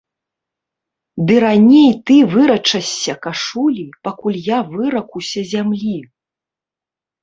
Ды раней ты вырачашся кашулі, пакуль я выракуся зямлі.